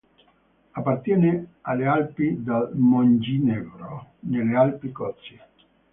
Appartiene alle Alpi del Monginevro nelle Alpi Cozie.